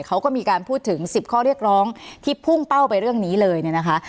เขาก็มีการพูดถึง๑๐ข้อเรียกร้องที่พุ่งเป้าไปเรื่องนี้เลยเนี่ยนะคะ